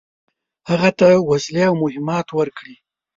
هغه ته وسلې او مهمات ورکړي.